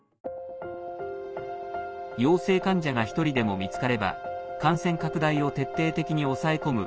陽性患者が１人でも見つかれば感染拡大を徹底的に抑え込む